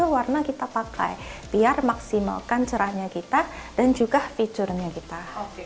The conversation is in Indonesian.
warna kira pakai biar maksimalkan cerahnya kita dan juga feature nya kita